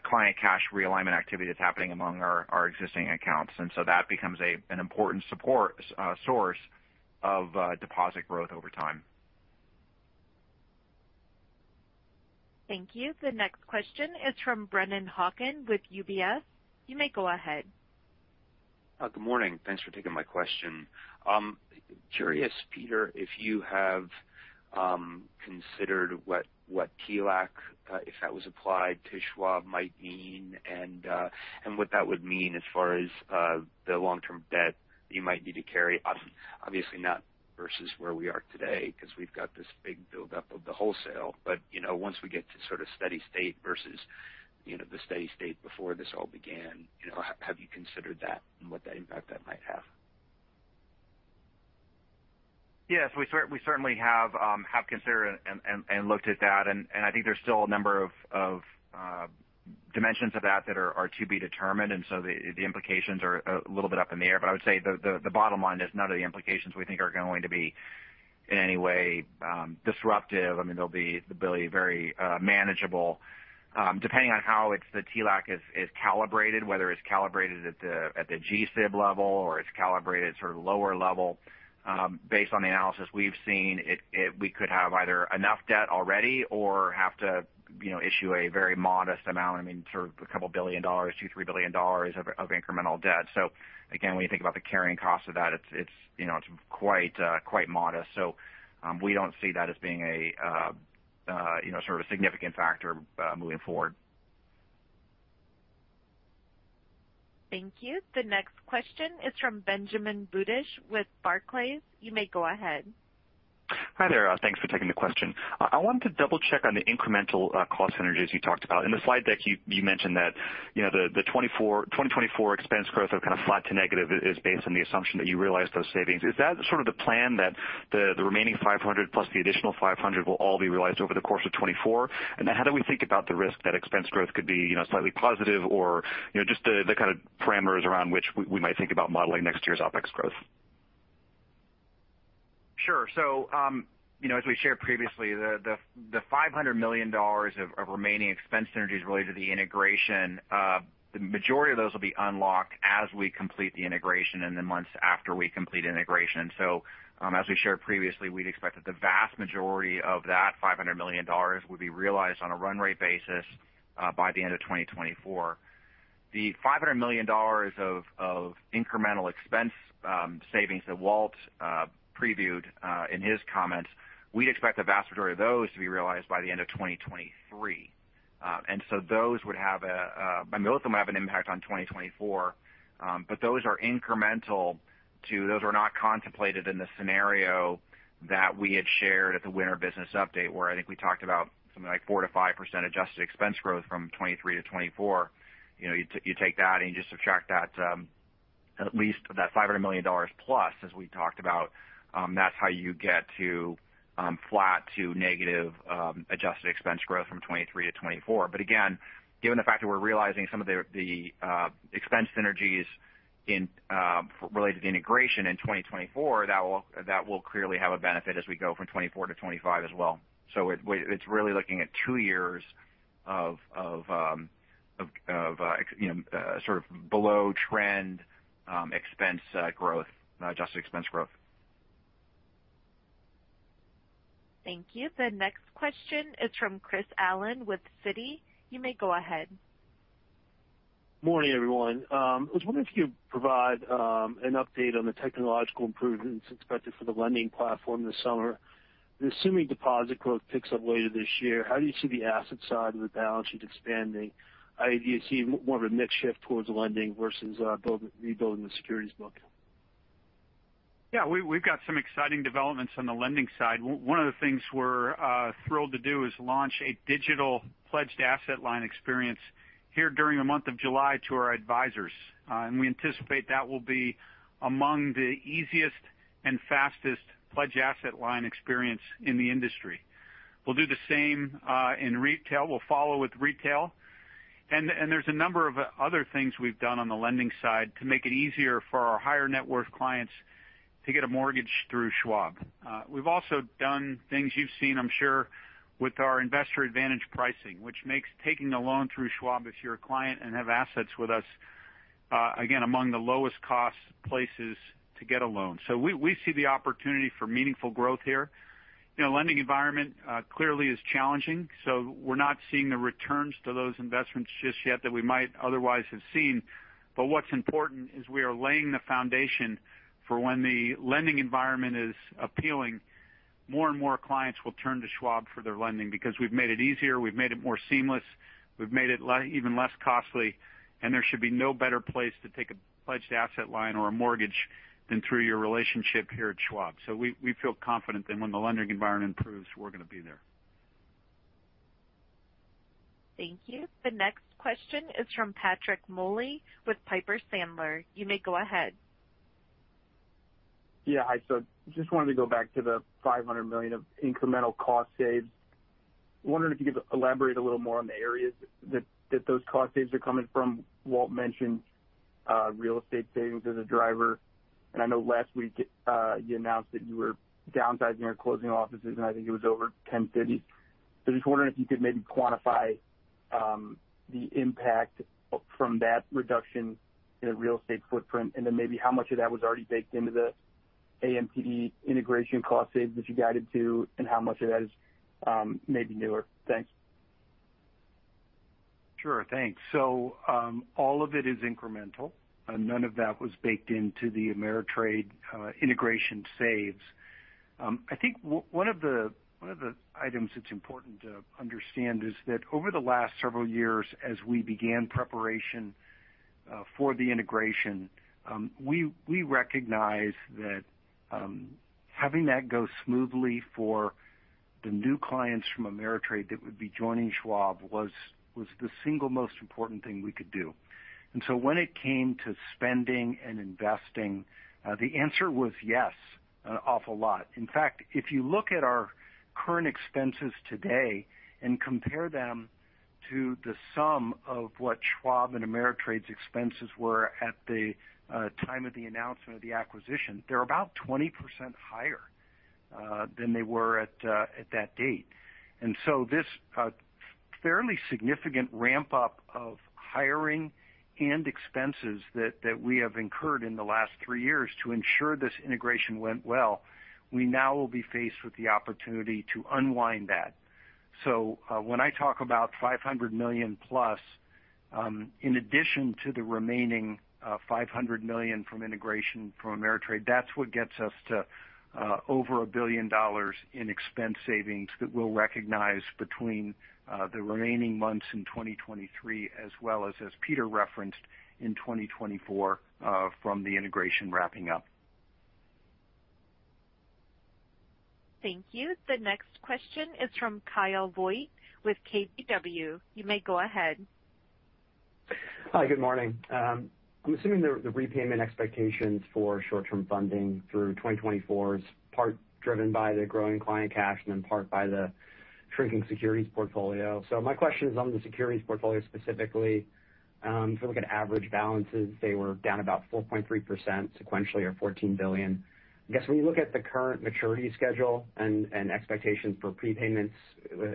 client cash realignment activity that's happening among our existing accounts. That becomes an important support source of deposit growth over time. Thank you. The next question is from Brennan Hawken with UBS. You may go ahead. Good morning. Thanks for taking my question. Curious, Peter, if you have considered what TLAC, if that was applied to Schwab, might mean and what that would mean as far as the long-term debt you might need to carry, obviously, not versus where we are today, because we've got this big buildup of the wholesale. You know, once we get to sort of steady state versus, you know, the steady state before this all began, you know, have you considered that and what the impact that might have? Yes, we certainly have considered and looked at that, and I think there's still a number of dimensions of that that are to be determined, and so the implications are a little bit up in the air. I would say the bottom line is none of the implications we think are going to be in any way disruptive. I mean, they'll be really very manageable. Depending on how the TLAC is calibrated, whether it's calibrated at the GSIB level, or it's calibrated sort of lower level, based on the analysis we've seen, we could have either enough debt already or have to, you know, issue a very modest amount, I mean, sort of $2 billion, $2 billion-$3 billion of incremental debt. Again, when you think about the carrying cost of that, it's, you know, it's quite modest. We don't see that as being a, you know, sort of a significant factor, moving forward. Thank you. The next question is from Benjamin Budish with Barclays. You may go ahead. Hi there. Thanks for taking the question. I wanted to double-check on the incremental cost synergies you talked about. In the slide deck, you mentioned that, you know, the 2024 expense growth of kind of flat to negative is based on the assumption that you realize those savings. Is that sort of the plan, that the remaining $500 plus the additional $500 will all be realized over the course of 2024? How do we think about the risk that expense growth could be, you know, slightly positive or, you know, just the kind of parameters around which we might think about modeling next year's OpEx growth? Sure. you know, as we shared previously, the $500 million of remaining expense synergies related to the integration, the majority of those will be unlocked as we complete the integration and then months after we complete integration. As we shared previously, we'd expect that the vast majority of that $500 million would be realized on a run rate basis, by the end of 2024. The $500 million of incremental expense savings that Walt previewed in his comments, we'd expect the vast majority of those to be realized by the end of 2023. Those would have a. I mean, both of them have an impact on 2024, those are incremental to those were not contemplated in the scenario that we had shared at the winter business update, where I think we talked about something like 4%-5% adjusted expense growth from 2023-2024. You know, you take that and you just subtract that, at least that $500 million plus, as we talked about, that's how you get to flat to negative adjusted expense growth from 2023-2024. Again, given the fact that we're realizing some of the expense synergies in related to the integration in 2024, that will clearly have a benefit as we go from 2024 to 2025 as well. It's really looking at 2 years of, you know, sort of below-trend, expense, growth, adjusted expense growth. Thank you. The next question is from Chris Allen with Citi. You may go ahead. Morning, everyone. I was wondering if you could provide an update on the technological improvements expected for the lending platform this summer. Assuming deposit growth picks up later this year, how do you see the asset side of the balance sheet expanding? Do you see more of a mix shift towards lending versus rebuilding the securities book? Yeah, we've got some exciting developments on the lending side. One of the things we're thrilled to do is launch a digital pledged asset line experience here during the month of July to our advisors. We anticipate that will be among the easiest and fastest pledged asset line experience in the industry. We'll do the same in retail. We'll follow with retail. There's a number of other things we've done on the lending side to make it easier for our higher net worth clients to get a mortgage through Schwab. We've also done things you've seen, I'm sure, with our Investor Advantage Pricing, which makes taking a loan through Schwab if you're a client and have assets with us, again, among the lowest cost places to get a loan. We see the opportunity for meaningful growth here. The lending environment clearly is challenging, so we're not seeing the returns to those investments just yet that we might otherwise have seen. What's important is we are laying the foundation for when the lending environment is appealing, more and more clients will turn to Schwab for their lending because we've made it easier, we've made it more seamless, we've made it even less costly, and there should be no better place to take a pledged asset line or a mortgage than through your relationship here at Schwab. We feel confident that when the lending environment improves, we're going to be there. Thank you. The next question is from Patrick Moley with Piper Sandler. You may go ahead. Yeah, hi. Just wanted to go back to the $500 million of incremental cost saves. Wondering if you could elaborate a little more on the areas that those cost saves are coming from. Walt mentioned real estate savings as a driver, and I know last week, you announced that you were downsizing or closing offices, and I think it was over 10 cities. Just wondering if you could maybe quantify the impact from that reduction in a real estate footprint, and then maybe how much of that was already baked into the AMTD integration cost saves that you guided to, and how much of that is maybe newer? Thanks. Sure. Thanks. All of it is incremental. None of that was baked into the TD Ameritrade integration saves. I think one of the items that's important to understand is that over the last several years, as we began preparation for the integration, we recognized that having that go smoothly for the new clients from TD Ameritrade that would be joining Schwab was the single most important thing we could do. When it came to spending and investing, the answer was yes, an awful lot. In fact, if you look at our current expenses today and compare them to the sum of what Schwab and TD Ameritrade's expenses were at the time of the announcement of the acquisition, they're about 20% higher than they were at that date. This, fairly significant ramp-up of hiring and expenses that we have incurred in the last three years to ensure this integration went well, we now will be faced with the opportunity to unwind that. When I talk about $500 million-plus, in addition to the remaining, $500 million from integration from Ameritrade, that's what gets us to over $1 billion in expense savings that we'll recognize between the remaining months in 2023, as well as Peter referenced, in 2024, from the integration wrapping up. Thank you. The next question is from Kyle Voigt with KBW. You may go ahead. Hi, good morning. I'm assuming the repayment expectations for short-term funding through 2024 is part driven by the growing client cash and then part by the shrinking securities portfolio. My question is on the securities portfolio specifically. If you look at average balances, they were down about 4.3% sequentially, or $14 billion. I guess, when you look at the current maturity schedule and expectations for prepayments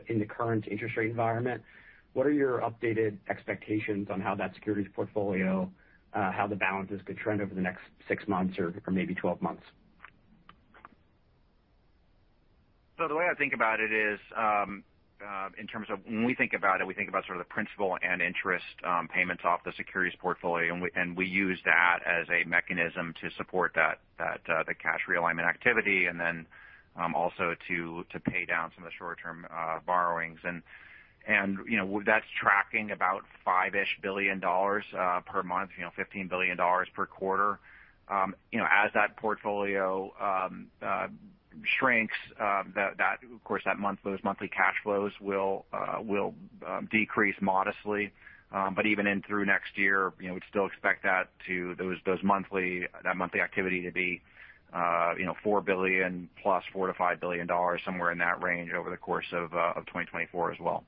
in the current interest rate environment, what are your updated expectations on how that securities portfolio, how the balances could trend over the next 6 months or maybe 12 months? The way I think about it is, in terms of when we think about it, we think about sort of the principal and interest payments off the securities portfolio, and we use that as a mechanism to support that, uh, the cash realignment activity and then also to pay down some of the short-term borrowings. You know, that's tracking about $5-ish billion per month, you know, $15 billion per quarter. You know, as that portfolio shrinks, that, of course, those monthly cash flows will decrease modestly. Even in through next year, you know, we'd still expect that monthly activity to be, you know, $4 billion plus, $4 billion-$5 billion, somewhere in that range over the course of 2024 as well.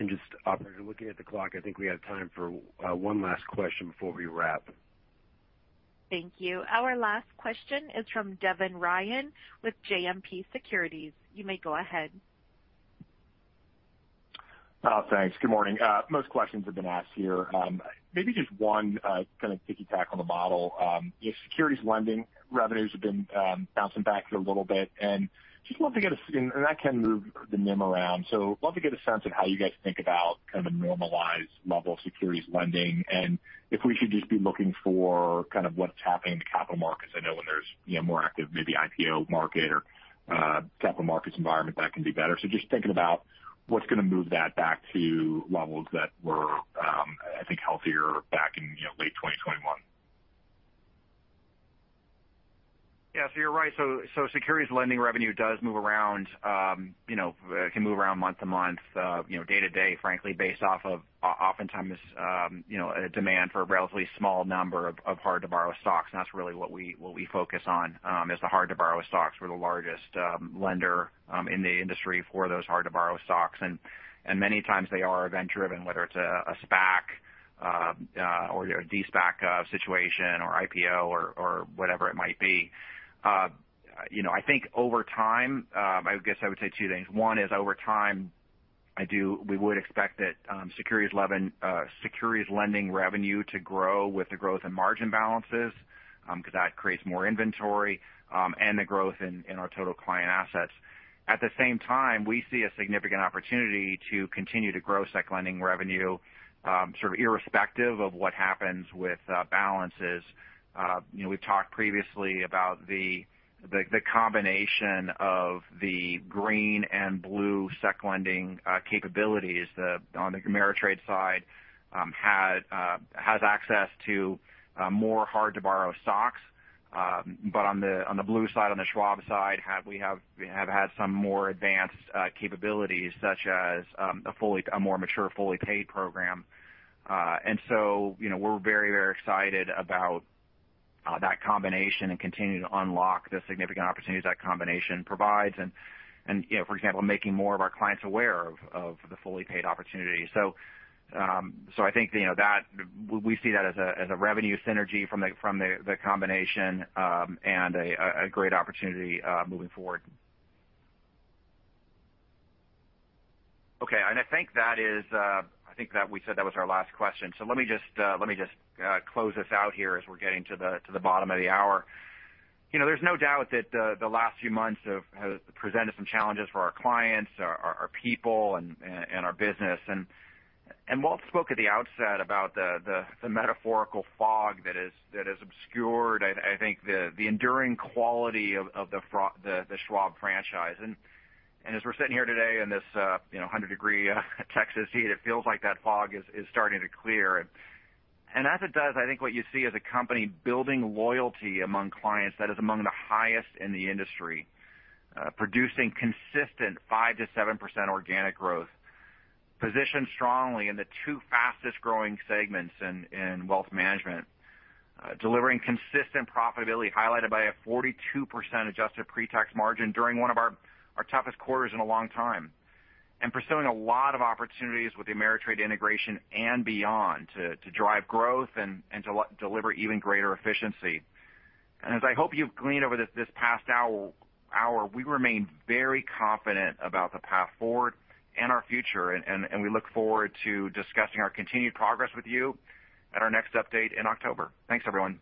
Just, operator, looking at the clock, I think we have time for one last question before we wrap. Thank you. Our last question is from Devin Ryan with JMP Securities. You may go ahead. Thanks. Good morning. Most questions have been asked here. Maybe just one kind of ticky-tack on the model. Your securities lending revenues have been bouncing back here a little bit. ... Just love to get and that can move the NIM around. Love to get a sense of how you guys think about kind of a normalized level of securities lending, and if we should just be looking for kind of what's happening in the capital markets. I know when there's, you know, more active, maybe IPO market or capital markets environment, that can be better. Just thinking about what's going to move that back to levels that were, I think, healthier back in, you know, late 2021. Yeah, you're right. Securities lending revenue does move around, you know, can move around month to month, you know, day to day, frankly, based off of oftentimes, you know, a demand for a relatively small number of hard-to-borrow stocks. That's really what we focus on, is the hard-to-borrow stocks. We're the largest lender in the industry for those hard-to-borrow stocks. Many times they are event-driven, whether it's a SPAC or a de-SPAC situation or IPO or whatever it might be. You know, I think over time, I guess I would say two things. One is, over time, we would expect that securities lending revenue to grow with the growth in margin balances, because that creates more inventory, and the growth in our total client assets. At the same time, we see a significant opportunity to continue to grow sec lending revenue, sort of irrespective of what happens with balances. You know, we've talked previously about the combination of the green and blue sec lending capabilities. On the Ameritrade side, has access to more hard-to-borrow stocks. On the blue side, on the Schwab side, we have had some more advanced capabilities, such as a more mature, fully paid program. So, you know, we're very, very excited about that combination and continuing to unlock the significant opportunities that combination provides. You know, for example, making more of our clients aware of the fully paid opportunity. So I think, you know, that. We see that as a revenue synergy from the combination, and a great opportunity moving forward. Okay. I think that is. I think that we said that was our last question. Let me just, let me just close us out here as we're getting to the bottom of the hour. You know, there's no doubt that the last few months have presented some challenges for our clients, our people and our business. Walt spoke at the outset about the metaphorical fog that has obscured, I think, the enduring quality of the Schwab franchise. As we're sitting here today in this, you know, a 100-degree Texas heat, it feels like that fog is starting to clear. As it does, I think what you see is a company building loyalty among clients that is among the highest in the industry, producing consistent 5%-7% organic growth, positioned strongly in the two fastest-growing segments in wealth management, delivering consistent profitability, highlighted by a 42% adjusted pre-tax margin during one of our toughest quarters in a long time, and pursuing a lot of opportunities with the Ameritrade integration and beyond to drive growth and deliver even greater efficiency. As I hope you've gleaned over this past hour, we remain very confident about the path forward and our future, and we look forward to discussing our continued progress with you at our next update in October. Thanks, everyone.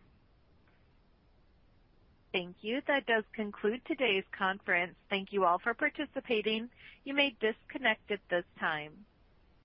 Thank you. That does conclude today's conference. Thank you all for participating. You may disconnect at this time.